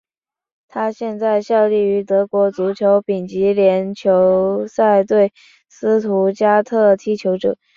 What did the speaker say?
他现在效力于德国足球丙级联赛球队斯图加特踢球者。